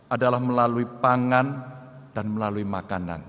adalah melalui pangan dan melalui makanan